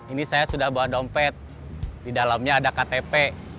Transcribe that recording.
ini saya sudah bawa dompet di dalamnya ada ktp